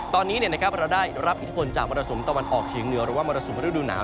ตอนนี้เราได้รับอิทธิพลจากมรสุมตะวันออกเฉียงเหนือหรือว่ามรสุมฤดูหนาว